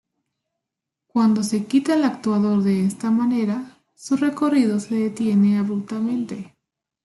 Cuando se quita el actuador de esta manera, su recorrido se detiene abruptamente.